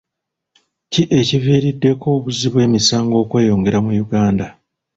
Ki ekiviiriddeko obuzzi bw'emisango okweyongera mu Uganda?